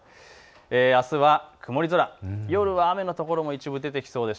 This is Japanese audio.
あすは曇り空、夜は雨の所も一部、出てきそうです。